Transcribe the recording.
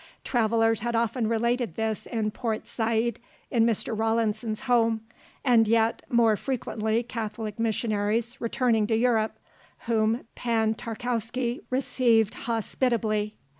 Travelers had often related this in Port Said in Mr. Rawlinson's home, and yet more frequently Catholic missionaries returning to Europe, whom Pan Tarkowski received hospitably.